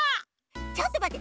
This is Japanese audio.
ちょっとまって！